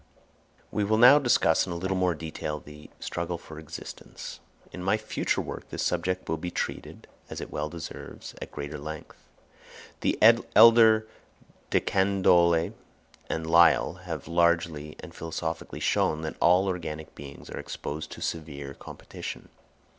We will now discuss in a little more detail the struggle for existence. In my future work this subject will be treated, as it well deserves, at greater length. The elder De Candolle and Lyell have largely and philosophically shown that all organic beings are exposed to severe competition.